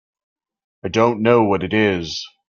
I don't know what it is.